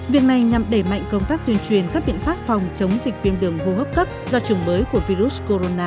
việc này nhằm đẩy mạnh công tác tuyên truyền các biện pháp phòng chống dịch viêm đường vô hấp cấp do trùng mới của virus corona tới các tầng lớp nhân dân